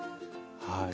はい。